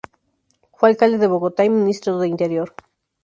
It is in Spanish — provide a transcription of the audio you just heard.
Fue Alcalde de Bogotá y Ministro de Interior.